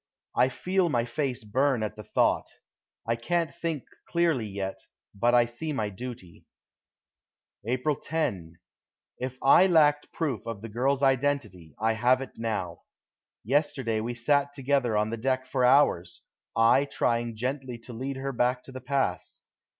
I feel my face burn at the thought. I can't think clearly yet, but I see my duty. April 10. If I lacked proof of the girl's identity, I have it now. Yesterday we sat together on the deck for hours, I trying gently to lead her back to the past.